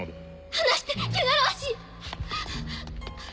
離して汚らわしい！